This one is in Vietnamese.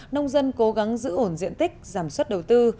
nông dân cố gắng giữ ổn diện tích giảm suất đầu tư